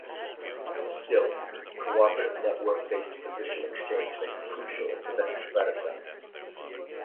Still, cooperative, network-based position exchange may be crucial in preventing fratricide.